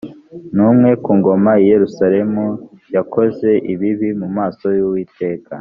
n umwe ku ngoma i yerusalemu yakoze ibibi mu maso yuwiteka